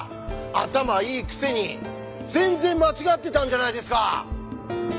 頭いいくせに全然間違ってたんじゃないですか！